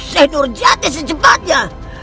seh nurjati secepatnya